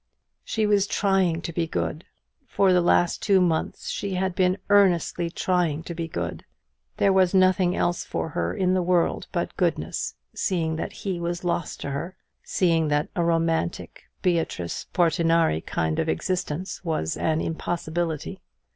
She was trying to be good. For the last two months she had been earnestly trying to be good. There was nothing else for her in the world but goodness, seeing that he was lost to her seeing that a romantic Beatrice Portinari kind of existence was an impossibility.